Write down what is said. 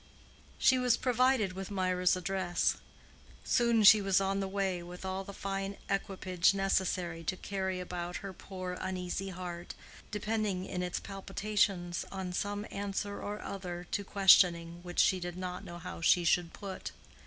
She was provided with Mirah's address. Soon she was on the way with all the fine equipage necessary to carry about her poor uneasy heart, depending in its palpitations on some answer or other to questioning which she did not know how she should put.